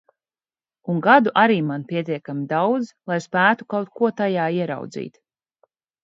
Un gadu arī man pietiekami daudz, lai spētu kaut ko tajā ieraudzīt.